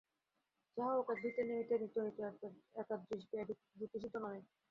যাহা হউক, এক ভৃত্যের নিমিত্ত নিত্য নিত্য এতাদৃশ ব্যয় যুক্তিসিদ্ধ নহে।